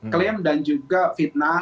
klaim dan juga fitnah